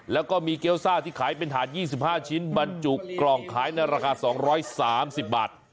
แล้วก็มีเกี้ยวซ่าที่ขายเป็นถาด๒๕ชิ้นบรรจุกล่องขายในราคา๒๓๐บาท